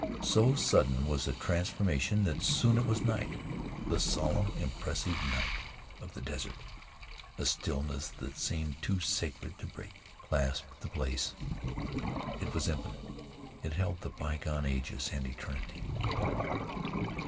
So sudden was the transformation that soon it was night, the solemn, impressive night of the desert. A stillness that seemed too sacred to break clasped the place; it was infinite; it held the bygone ages, and eternity.